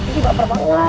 ini baper banget